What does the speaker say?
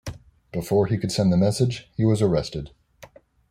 Before he could send the message, he was arrested.